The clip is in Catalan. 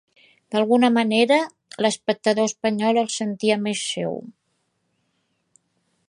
D'alguna manera l'espectador espanyol el sentia més seu.